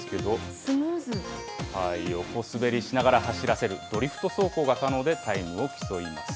横滑りしながら走らせるドリフト走行が可能でタイムを競います。